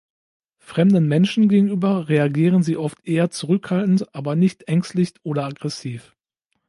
Fremden Menschen gegenüber reagieren sie oft eher zurückhaltend, aber nicht ängstlich oder aggressiv.